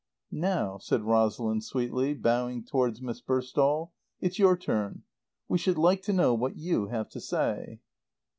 "Now," said Rosalind sweetly, bowing towards Miss Burstall, "it's your turn. We should like to know what you have to say."